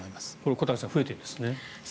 小谷さん増えてるんですね。